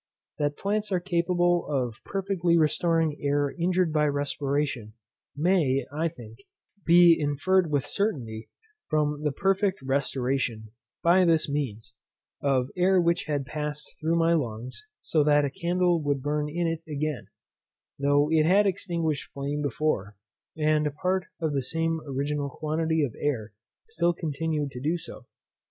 That plants are capable of perfectly restoring air injured by respiration, may, I think, be inferred with certainty from the perfect restoration, by this means, of air which had passed through my lungs, so that a candle would burn in it again, though it had extinguished flame before, and apart of the same original quantity of air still continued to do so.